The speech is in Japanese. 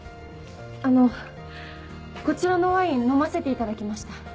あのこちらのワイン飲ませていただきました。